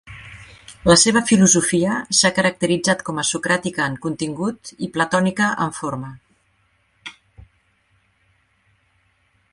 La seva filosofia s'ha caracteritzat com a socràtica en contingut i platònica en forma.